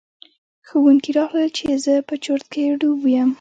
ښوونکي راغلل چې زه په چرت کې ډوب یم.